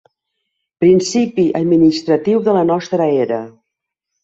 Principi administratiu de la nostra era.